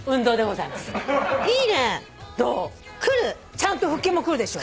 ちゃんと腹筋もくるでしょ。